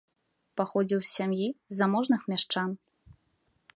Паходзіў з сям'і заможных мяшчан.